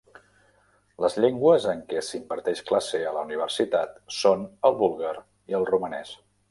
Les llengües en què s'imparteix classe a la universitat són el búlgar i el romanès.